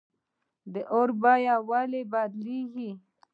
د اوړو بیه ولې بدلیږي؟